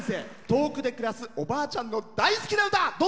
遠くで暮らすおばあちゃんの大好きな歌。